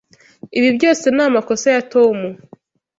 Ibi byose ni amakosa ya Tom.